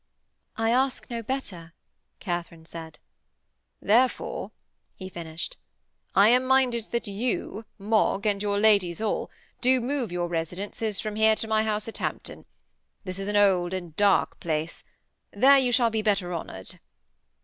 'I ask no better,' Katharine said. 'Therefore,' he finished, 'I am minded that you, Mog, and your ladies all, do move your residences from here to my house at Hampton. This is an old and dark place; there you shall be better honoured.'